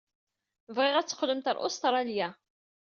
Bɣiɣ ad teqqlemt ɣer Ustṛalya.